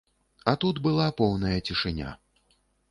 А тут была поўная цішыня.